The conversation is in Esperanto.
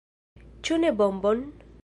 Ĉu ne bombon?